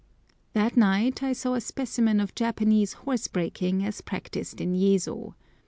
That night I saw a specimen of Japanese horse breaking as practised in Yezo.